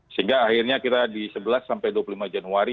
sehingga akhirnya kita di sebelas sampai dua puluh lima januari